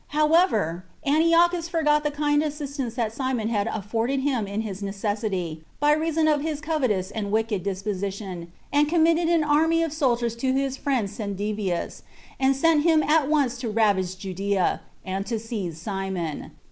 3. However, Antiochus forgot the kind assistance that Simon had afforded him in his necessity, by reason of his covetous and wicked disposition, and committed an army of soldiers to his friend Cendebeus, and sent him at once to ravage Judea, and to seize Simon.